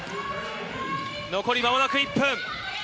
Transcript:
残りまもなく１分。